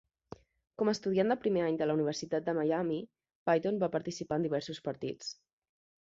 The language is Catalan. Com a estudiant de primer any de la Universitat de Miami, Payton va participar en diversos partits.